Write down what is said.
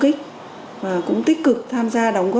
anh cũng đã được nghe